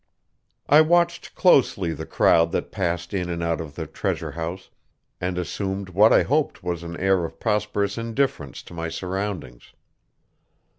I watched closely the crowd that passed in and out of the treasure house, and assumed what I hoped was an air of prosperous indifference to my surroundings.